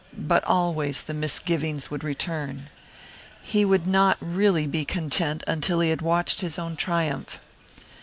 But always the misgivings would return. He would not be really content until he had watched his own triumph.